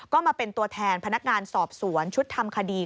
ก็มาเป็นตัวแทนพนักงานสอบสวนชุดทำคดี